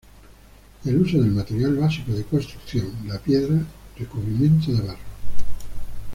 El uso del material básico de construcción: la piedra, recubrimiento de barro.